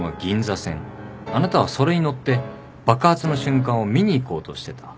あなたはそれに乗って爆発の瞬間を見に行こうとしてた。